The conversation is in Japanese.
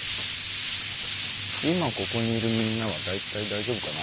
今ここにいるみんなは大体大丈夫かな。